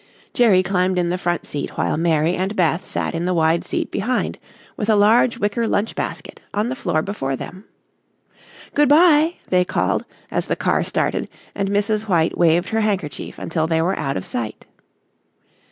Jerry climbed in the front seat while Mary and Beth sat in the wide seat behind, with a large wicker lunch basket on the floor before them. "Good bye," they called as the car started, and Mrs. White waved her handkerchief until they were out of sight.